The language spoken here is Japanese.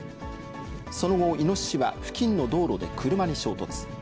その後、イノシシは付近の道路で車に衝突。